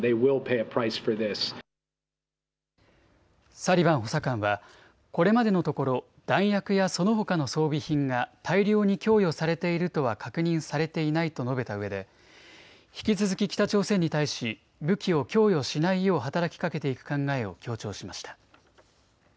サリバン補佐官はこれまでのところ弾薬やそのほかの装備品が大量に供与されているとは確認されていないと述べたうえで引き続き北朝鮮に対し武器を供与しないよう働きかけていく考えを強調しました。